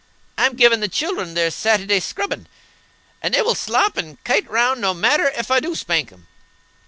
I'm givin' the children their Sat'day scrubbin', and they will slop and kite 'round, no matter ef I do spank 'em."